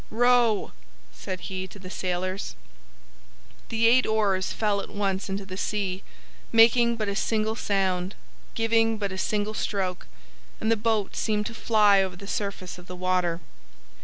"Row!" said he to the sailors. The eight oars fell at once into the sea, making but a single sound, giving but a single stroke, and the boat seemed to fly over the surface of the water.